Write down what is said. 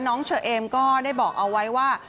เชอเอมก็ได้บอกเอาไว้ว่า